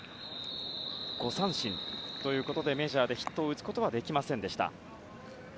５三振ということでメジャーでヒットを打つことはできませんでした。